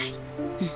うん。